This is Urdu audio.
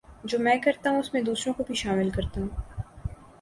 جو میں کرتا ہوں اس میں دوسروں کو بھی شامل کرتا ہوں